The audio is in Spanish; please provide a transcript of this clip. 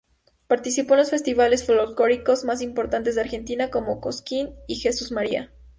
Participó en los festivales folclóricos más importantes de Argentina, como Cosquín y Jesús María.